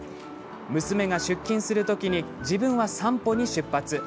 娘が出勤する時に自分は散歩に出発。